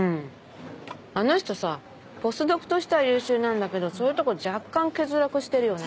あの人さポスドクとしては優秀なんだけどそういうとこ若干欠落してるよね。